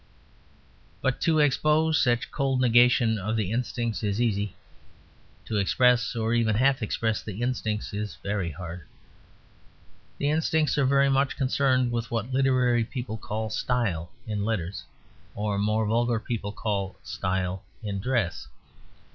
But to expose such cold negation of the instincts is easy: to express or even half express the instincts is very hard. The instincts are very much concerned with what literary people call "style" in letters or more vulgar people call "style" in dress.